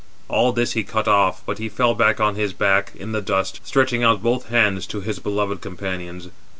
All this he cut off; but he fell on his back in the dust, stretching out both hands to his beloved companions.